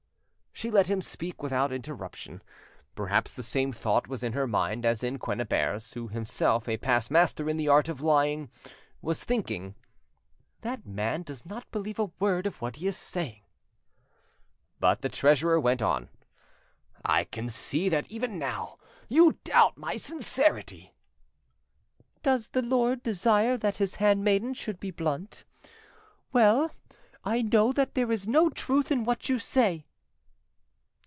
She let him speak without interruption; perhaps the same thought was in her mind as in Quennebert's, who, himself a past master in the art of lying; was thinking— "The man does not believe a word of what he is saying." But the treasurer went on— "I can see that even now you doubt my sincerity." "Does my lord desire that his handmaiden should be blunt? Well, I know that there is no truth in what you say."